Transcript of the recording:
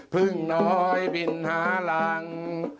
พึ่งน้อยบินหาหลัง